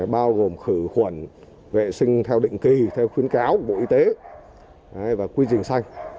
bao gồm khử khuẩn vệ sinh theo định kỳ theo khuyến cáo của bộ y tế và quy trình xanh